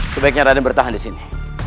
sebaiknya raden bertahan di sini